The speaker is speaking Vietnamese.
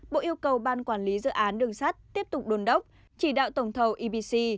bộ yêu cầu ban quản lý dự án đường sắt tiếp tục đồn đốc chỉ đạo tổng thầu ebc